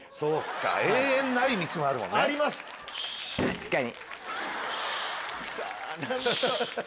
確かに。